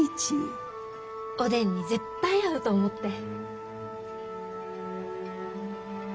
おでんに絶対合うと思って。